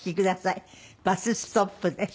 『バス・ストップ』です。